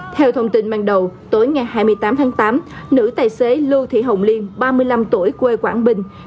theo thông tin ban đầu tối ngày hai mươi tám tháng tám nữ tài xế lưu thị hồng liên ba mươi năm tuổi quê quảng bình